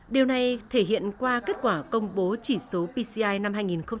điều này thể hiện qua kết quả công bố chỉ số pci năm hai nghìn một mươi chín